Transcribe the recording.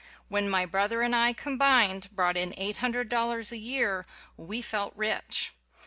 When my brother and I, combined, brought in eight hundred dollars a year we felt rich